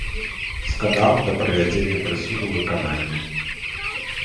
Сканаў да прывядзення прысуду ў выкананне.